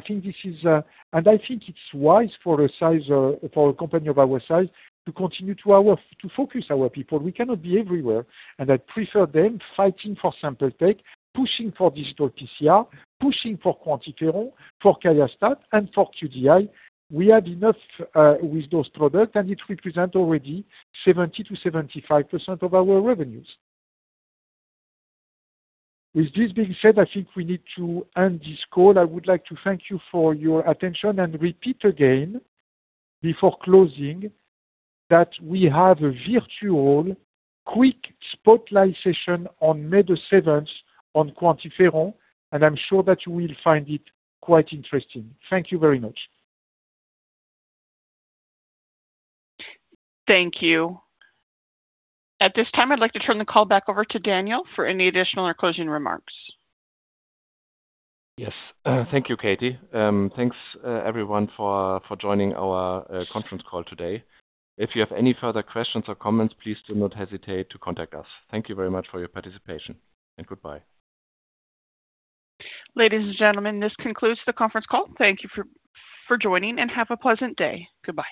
think this is. I think it's wise for a company of our size to continue to focus our people. We cannot be everywhere, and I prefer them fighting for Sample Tech, pushing for digital PCR, pushing for QuantiFERON, for QIAstat, and for QDI. We have enough with those products, and it represent already 70%-75% of our revenues. With this being said, I think we need to end this call. I would like to thank you for your attention and repeat again before closing that we have a virtual quick spotlight session on May 7th on QuantiFERON, and I'm sure that you will find it quite interesting. Thank you very much. Thank you. At this time, I'd like to turn the call back over to Daniel for any additional or closing remarks. Yes. Thank you, Katie. Thanks everyone for joining our conference call today. If you have any further questions or comments, please do not hesitate to contact us. Thank you very much for your participation, and goodbye. Ladies and gentlemen, this concludes the conference call. Thank you for joining and have a pleasant day. Goodbye.